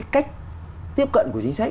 cách tiếp cận của chính sách